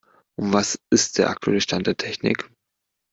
Und was ist der aktuelle Stand der Technik.